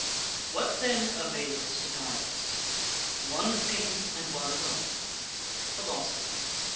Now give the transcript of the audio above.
What then avails to guide us? One thing, and one alone Philosophy.